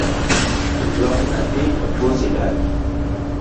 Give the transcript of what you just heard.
Lok nyathi ochuo siandane